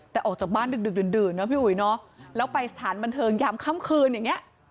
แต่ออกจากบ้านดึกดื่นนะพี่อุ๋ยเนอะแล้วไปสถานบันเทิงยามค่ำคืนอย่างเงี้ย